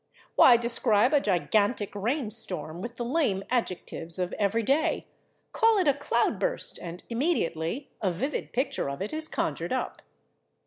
Why describe a gigantic rain storm with the lame adjectives of everyday? Call it a /cloud burst/ and immediately a vivid picture of it is conjured up.